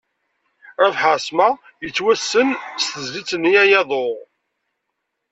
Rabeḥ Ԑesma yettwassen s tezlit-nni “Aya aḍu”.